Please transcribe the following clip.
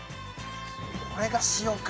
これが塩か。